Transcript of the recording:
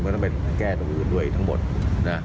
มีการแก้ที่อื่นทั้งหมดนะ